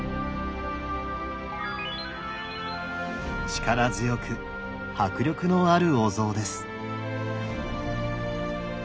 力強く迫力のあるお像です。